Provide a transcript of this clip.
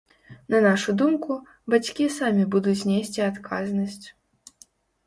На нашу думку, бацькі самі будуць несці адказнасць.